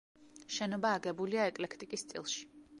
შენობა აგებულია ეკლექტიკის სტილში.